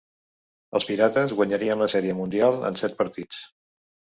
Els Pirates guanyarien la Sèrie Mundial en set partits.